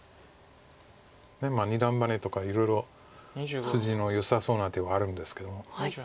二段バネとかいろいろ筋のよさそうな手はあるんですけども。